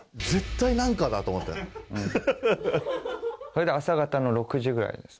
それで朝方の６時ぐらいですね。